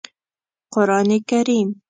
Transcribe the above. قرآن کریم